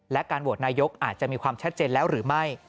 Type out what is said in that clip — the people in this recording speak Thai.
และการโหวตนายกอาจจะมีความชัดเจนแล้วหรือไม่